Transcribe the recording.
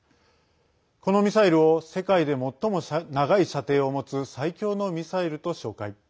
このミサイルを世界で最も長い射程を持つ最強のミサイルと紹介。